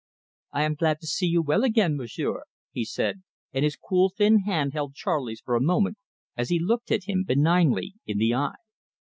"I am glad to see you well again, Monsieur," he said, and his cool thin hand held Charley's for a moment, as he looked him benignly in the eye.